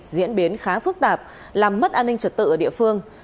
diễn biến khá phức tạp làm mất an ninh trật tự ở địa phương